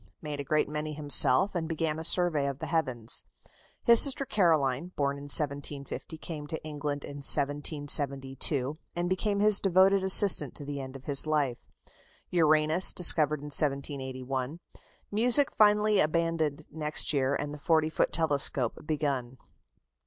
Made a great many himself, and began a survey of the heavens. His sister Caroline, born in 1750, came to England in 1772, and became his devoted assistant to the end of his life. Uranus discovered in 1781. Music finally abandoned next year, and the 40 foot telescope begun.